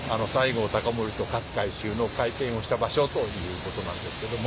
西郷隆盛と勝海舟の会見をした場所ということなんですけども。